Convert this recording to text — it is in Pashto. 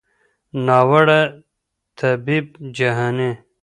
ناوړه طبیب جهاني